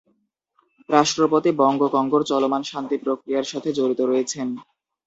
রাষ্ট্রপতি বঙ্গো কঙ্গোর চলমান শান্তি প্রক্রিয়ার সাথে জড়িত রয়েছেন।